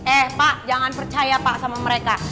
eh pak jangan percaya pak sama mereka